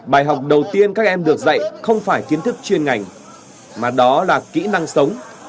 bài học đầu tiên các em được dạy không phải kiến thức chuyên ngành mà đó là kỹ năng sống